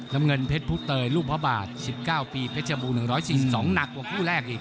น้ำเงินเพชรผู้เตยลูกพระบาท๑๙ปีเพชรบูร๑๔๒หนักกว่าคู่แรกอีก